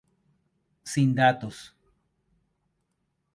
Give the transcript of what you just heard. Sin datos.